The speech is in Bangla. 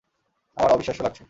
আমার অবিশ্বাস্য লাগছে।